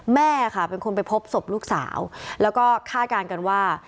แม่ค่ะเป็นคนไปพบศพลูกสาวแล้วก็คาดการณ์กันว่า